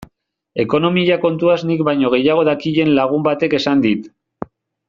Ekonomia kontuaz nik baino gehiago dakien lagun batek esan dit.